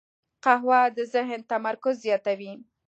قهوه د ذهن تمرکز زیاتوي